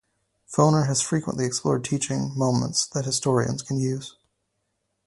Foner has frequently explored teaching moments that historians can use.